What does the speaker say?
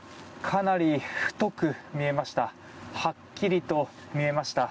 かなり太く見えました。